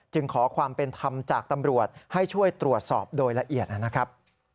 ขอความเป็นธรรมจากตำรวจให้ช่วยตรวจสอบโดยละเอียดนะครับ